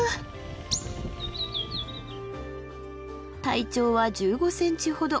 体長は１５ｃｍほど。